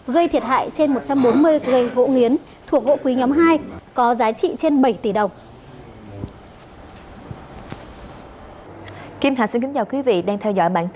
gây thiệt hại trên một trăm bốn mươi cây gỗ nghiến thuộc gỗ quý nhóm hai có giá trị trên bảy tỷ đồng